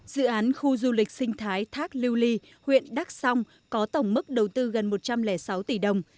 dự án khu du lịch sinh thái thác lưu ly huyện đắc song có tổng mức đầu tư gần một trăm linh sáu tỷ đồng